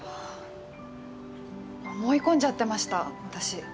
思い込んじゃってました、私。